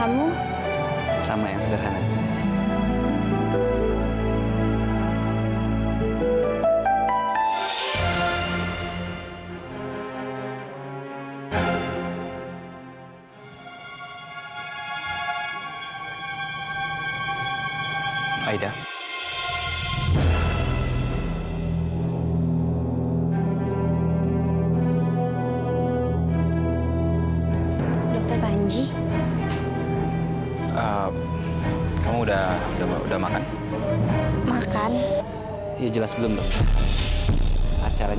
maksudnya aksan tadi